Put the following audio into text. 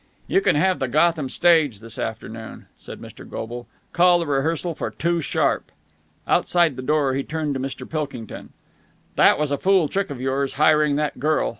"You can have the Gotham stage this afternoon," said Mr. Goble. "Call the rehearsal for two sharp." Outside the door, he turned to Mr. Pilkington. "That was a fool trick of yours, hiring that girl.